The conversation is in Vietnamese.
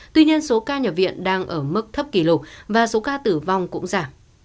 tuy nhiên số ca nhập viện đang ở mức thấp kỷ lục và số ca tử vong cũng giảm